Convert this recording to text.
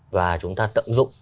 và chúng ta tận dụng